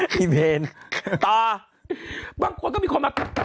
พี่เมนตาบางคนก็มีคนมา